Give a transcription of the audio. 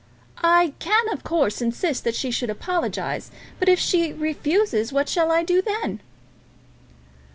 "I can, of course, insist that she should apologise; but if she refuses, what shall I do then?"